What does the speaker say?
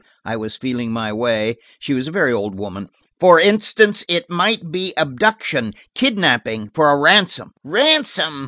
I was feeling my way: she was a very old woman. "It–for instance, it might be abduction, kidnapping–for a ransom." "Ransom!"